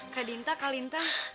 kak dinta kak linta